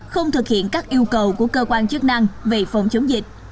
không thực hiện các yêu cầu của cơ quan chức năng về phòng chống dịch